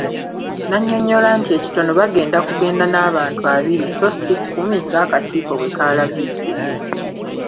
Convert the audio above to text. N'annyonnyola nti ekitono bagenda kugenda n'abantu abiri so si kumi ng'akakiiko bwe kaalagidde.